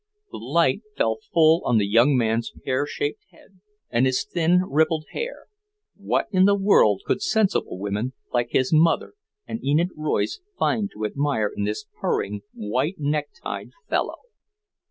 The light fell full on the young man's pear shaped head and his thin, rippled hair. What in the world could sensible women like his mother and Enid Royce find to admire in this purring, white necktied fellow?